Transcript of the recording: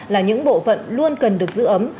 là những bộ phận luôn cần được giữ ấm